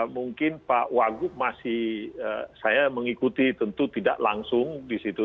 mungkin pak wagub masih saya mengikuti tentu tidak langsung di situ